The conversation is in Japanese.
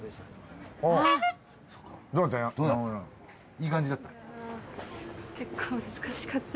いい感じだった？